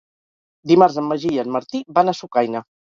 Dimarts en Magí i en Martí van a Sucaina.